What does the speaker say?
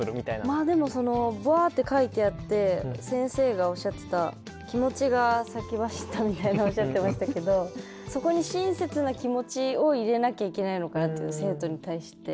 まあでもバーッて書いてあって先生がおっしゃってた気持ちが先走ったみたいなおっしゃってましたけどそこに親切な気持ちを入れなきゃいけないのかなって生徒に対して。